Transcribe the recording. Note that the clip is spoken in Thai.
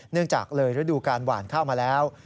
เนื่องจากเลยระดูการหวานข้าวมาแล้ว